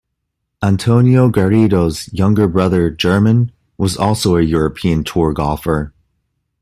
Antonio Garrido's younger brother German was also a European Tour golfer.